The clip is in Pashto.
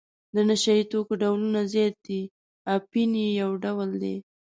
د نشه یي توکو ډولونه زیات دي اپین یې یو ډول دی.